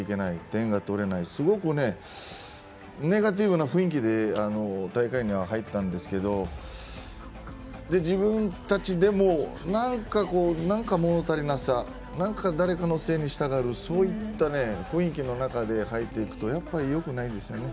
点が取れない、すごくねネガティブな雰囲気で大会には入ったんですけど自分たちでも何か物足りなさなんか、誰かのせいにしたがるそういったね雰囲気の中で入っていくとやっぱりよくないですよね。